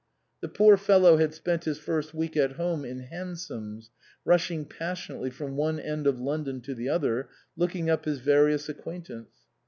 The poor fellow had spent his first week at home in hansoms, rushing passionately from one end of London to the other, looking up his various acquaintance.